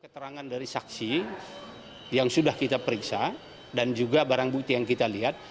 keterangan dari saksi yang sudah kita periksa dan juga barang bukti yang kita lihat